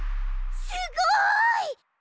すごい！